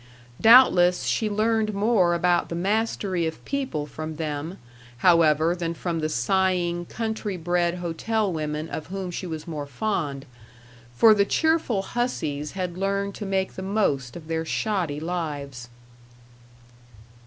Doubtless she learned more about the mastery of people from them, however, than from the sighing, country bred hotel women of whom she was more fond; for the cheerful hussies had learned to make the most of their shoddy lives.